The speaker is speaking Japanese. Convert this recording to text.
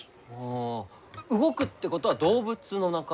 あ動くってことは動物の仲間？